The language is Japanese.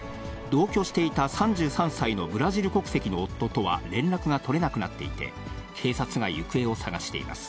同居していた３３歳のブラジル国籍の夫とは連絡が取れなくなっていて、警察が行方を捜しています。